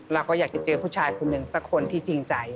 เราก็อยากจะเจอผู้ชายคนหนึ่งสักคนที่จริงใจ